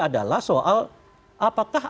adalah soal apakah